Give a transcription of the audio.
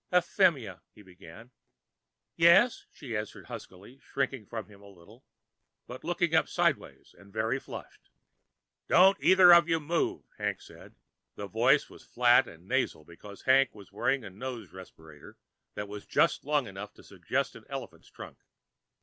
"Euphemia " he began. "Yes?" she answered huskily, shrinking from him a little, but looking up sideways, and very flushed. "Don't either of you move," Hank said. The voice was flat and nasal because Hank was wearing a nose respirator that was just long enough to suggest an elephant's trunk.